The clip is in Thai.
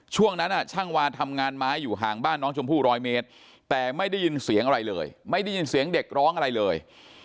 ช่วงนั้นช่างวาทำงานไม้อยู่ห่างบ้านน้องชมพู่ร้อยเมตรแต่ไม่ได้ยินเสียงอะไรเลยไม่ได้ยินเสียงเด็กร้องอะไรเลย